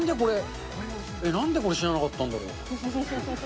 なんでこれ、知らなかったんだろう。